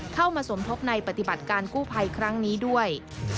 เข้ามาสมทบในปฏิบัติการกู้ภัยครั้งนี้ด้วย